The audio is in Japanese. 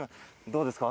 どうですか？